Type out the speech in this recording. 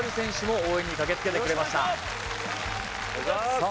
さあ